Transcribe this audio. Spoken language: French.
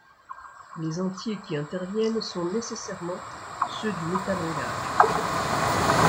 Les entiers qui interviennent sont nécessairement ceux du métalangage.